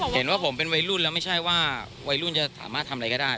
เห็นว่าผมเป็นวัยรุ่นแล้วไม่ใช่ว่าวัยรุ่นจะสามารถทำอะไรก็ได้